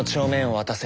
渡せ！